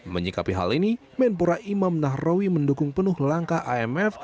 menyikapi hal ini menpora imam nahrawi mendukung penuh langkah imf